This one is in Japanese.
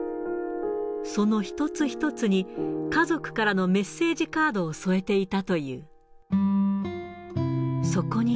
その一つ一つに、家族からのメッセージカードを添えていたという。